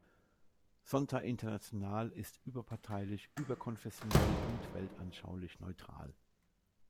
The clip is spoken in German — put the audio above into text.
Zonta International ist überparteilich, überkonfessionell und weltanschaulich neutral.